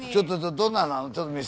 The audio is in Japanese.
どんな？